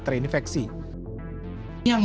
jika orang yang sudah divaksinasi